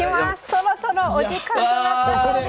そろそろお時間となったそうです。